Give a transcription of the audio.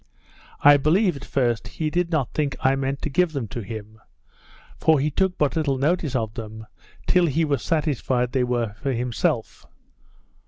I believe, at first, he did not think I meant to give them to him; for he took but little notice of them, till he was satisfied they were for himself.